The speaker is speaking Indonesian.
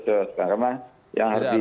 sekarang lah yang harus